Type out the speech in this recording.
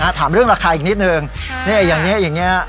อ่ะถามเรื่องราคาอีกนิดหนึ่งค่ะเนี้ยอย่างเนี้ยอย่างเนี้ย